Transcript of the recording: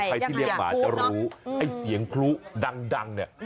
ใครที่เลี้ยงหมาจะรู้ไอ้เสียงพลุดังเนี่ย